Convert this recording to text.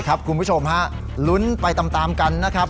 คุณผู้ชมฮะลุ้นไปตามกันนะครับ